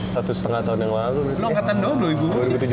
satu setengah tahun yang lalu